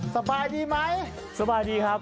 สบายดีไหมสบายดีครับ